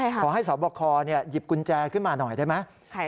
ขอให้สอบคอหยิบกุญแจขึ้นมาหน่อยได้ไหม